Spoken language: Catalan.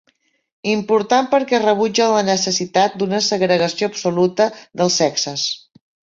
Important perquè rebutja la necessitat d'una segregació absoluta dels sexes.